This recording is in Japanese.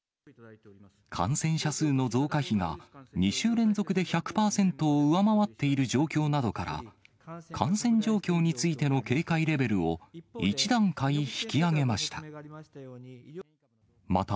感染者数の増加日が２週連続で１００％を上回っている状況などから、感染状況についての警戒レベルを１段階引き上げました。